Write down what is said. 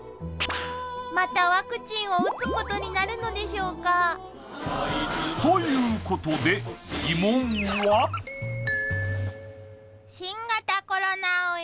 またワクチンを打つことになるのでしょうか？ということで疑問はこれホンマ怖いわ